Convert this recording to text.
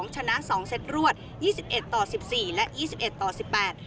ชนะ๒เซตรวด๒๑ต่อ๑๔และ๒๑ต่อ๑๘